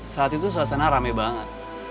saat itu suasana rame banget